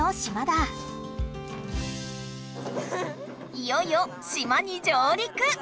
いよいよ島に上りく！